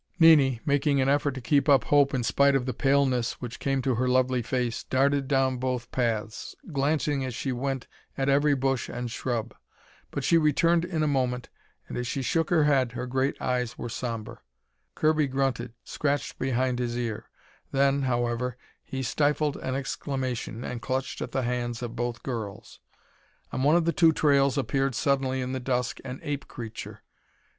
Nini, making an effort to keep up hope in spite of the paleness which came to her lovely face, darted down both paths, glancing as she went at every bush and shrub. But she returned in a moment, and as she shook her head, her great eyes were somber. Kirby grunted, scratched behind his ear. Then, however, he stifled an exclamation, and clutched at the hands of both girls. On one of the two trails appeared suddenly in the dusk an ape creature.